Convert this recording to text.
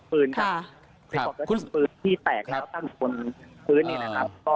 เป็นปลอกกระสุนที่แตกแล้วตั้งบนพื้นเนี่ยนะครับ